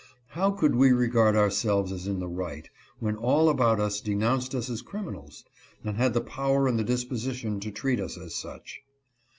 How could we regard ourselves as in the right, when all about us denounced us as criminals, and had the power and the disposition to treat us as such.